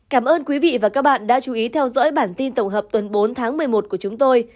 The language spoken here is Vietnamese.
cảm ơn quý vị và các bạn đã chú ý theo dõi bản tin tổng hợp tuần bốn tháng một mươi một của chúng tôi